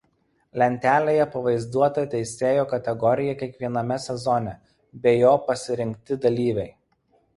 Lentelėje pavaizduota teisėjo kategorija kiekviename sezone bei jo pasirinkti dalyviai.